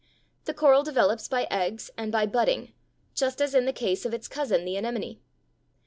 The coral develops by eggs and by budding, just as in the case of its cousin, the anemone.